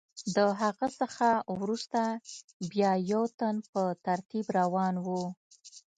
له هغه څخه وروسته بیا یو تن په ترتیب روان و.